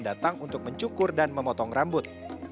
datang untuk mencukur dan memotong rambut